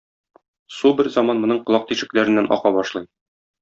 Су берзаман моның колак тишекләреннән ага башлый.